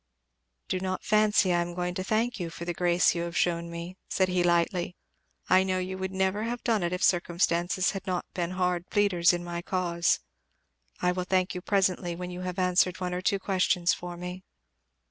"Do not fancy I am going to thank you for the grace you have shewn me," said he lightly. "I know you would never have done it if circumstances had not been hard pleaders in my cause. I will thank you presently when you have answered one or two questions for me."